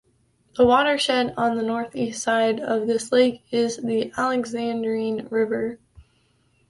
The watershed on the northeast side of this lake is the Alexandrine River.